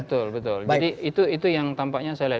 betul betul jadi itu yang tampaknya saya lihat